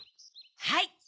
はい。